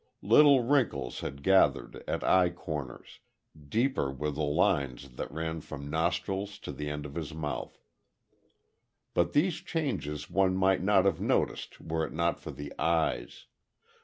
Little wrinkles had gathered at eye corners deeper were the lines that ran from nostrils to the ends of his mouth. But these changes one might not have noticed were it not for the eyes.